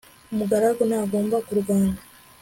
umugaragu ntagomba kurwana